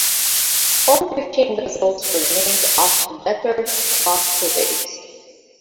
All fifteen vessels were named after "Bathurst"-class corvettes.